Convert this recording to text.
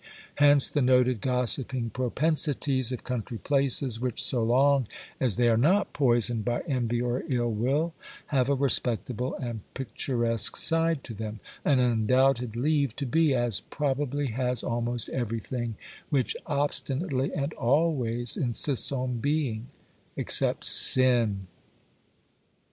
Hence the noted gossiping propensities of country places, which, so long as they are not poisoned by envy or ill will, have a respectable and picturesque side to them,—an undoubted leave to be, as probably has almost everything, which obstinately and always insists on being, except sin!